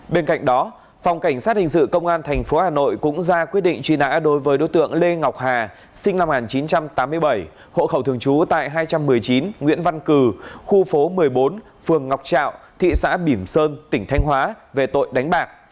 bên cạnh đó phòng cảnh sát hình sự công an tp hà nội cũng ra quyết định truy nã đối với đối tượng lê ngọc hà sinh năm một nghìn chín trăm tám mươi bảy hộ khẩu thường trú tại hai trăm một mươi chín nguyễn văn cử khu phố một mươi bốn phường ngọc trạo thị xã bỉm sơn tỉnh thanh hóa về tội đánh bạc